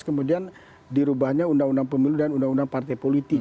kemudian dirubahnya undang undang pemilu dan undang undang partai politik